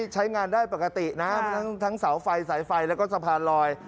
ใช้งานได้ปกตินะทั้งเสาไฟสายไฟแล้วก็สะพานลอย